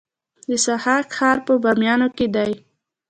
د ضحاک ښار په بامیان کې دی